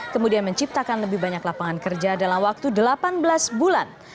kemudian menciptakan lebih banyak lapangan kerja dalam waktu delapan belas bulan